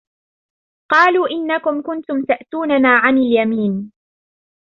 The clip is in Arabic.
قالوا إنكم كنتم تأتوننا عن اليمين